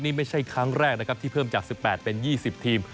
นี่ไม่ใช่ครั้งแรกนะครับที่เพิ่มจาก๑๘เป็น๒๐ทีม